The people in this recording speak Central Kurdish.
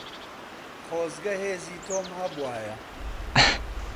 خۆزگە هێزی تۆم هەبوایە.